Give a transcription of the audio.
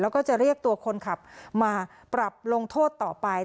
แล้วก็จะเรียกตัวคนขับมาปรับลงโทษต่อไป